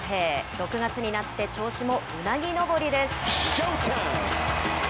６月になって調子もうなぎ登りです。